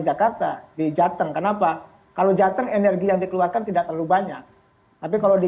jakarta di jateng kenapa kalau jateng energi yang dikeluarkan tidak terlalu banyak tapi kalau di